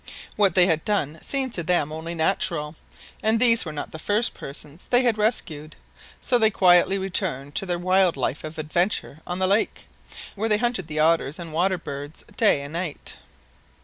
What they had done seemed to them only natural, and these were not the first persons they had rescued; so they quietly returned to their wild life of adventure on the lake, where they hunted the otters and water birds day and night.